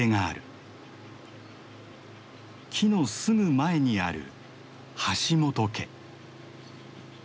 木のすぐ前にある橋本家。